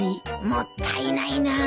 もったいないなあ。